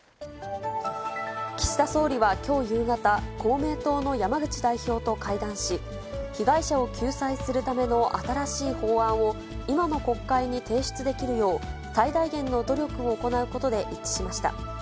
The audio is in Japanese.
岸田総理はきょう夕方、公明党の山口代表と会談し、被害者を救済するための新しい法案を、今の国会に提出できるよう、最大限の努力を行うことで一致しました。